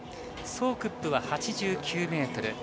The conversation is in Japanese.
ソウクップは８９ｍ。